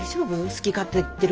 好き勝手言ってるけど。